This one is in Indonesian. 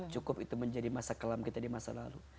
cukup itu menjadi masa kelam kita di masa lalu